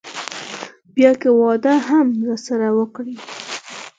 بيا که واده هم راسره وکړي.